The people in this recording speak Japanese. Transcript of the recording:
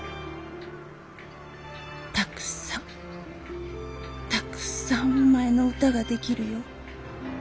たくさんたくさんお前の歌ができるよ。